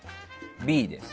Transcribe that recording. Ｂです。